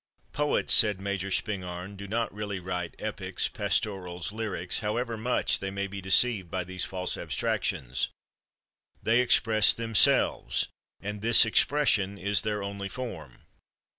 "Poets," says Major Spingarn, "do not really write epics, pastorals, lyrics, however much they may be deceived by these false abstractions; they express themselves, and this expression is their only form.